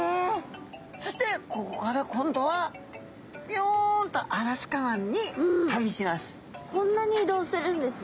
そしてここから今度はピヨンとアラスカ湾に旅します。